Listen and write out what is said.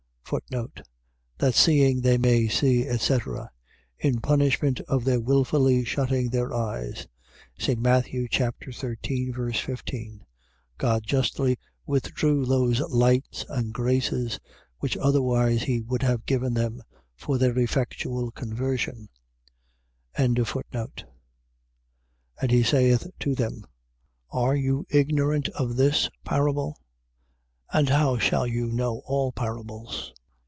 That seeing they may see, etc. . .in punishment of their wilfully shutting their eyes, (St. Matt. 13. 15,) God justly withdrew those lights and graces, which otherwise he would have given them, for their effectual conversion. 4:13. And he saith to them: Are you ignorant of this, parable? and how shall you know all parables?